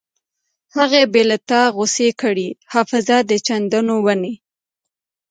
بې لتانۀ غوڅې کړې حافظه د چندڼو ونې